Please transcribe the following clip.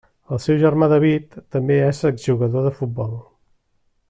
El seu germà David, també és exjugador de futbol.